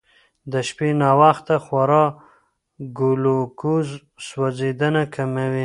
د شپې ناوخته خورا د ګلوکوز سوځېدنه کموي.